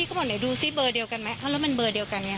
ก็มันเบอร์เดียวกันเนี่ยค่ะ